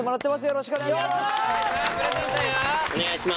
よろしくお願いします。